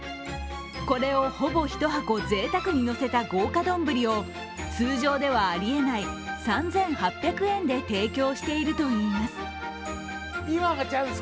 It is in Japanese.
これをほぼ１箱、ぜいたくにのせた豪華丼を通常ではありえない３８００円で提供しているといいます。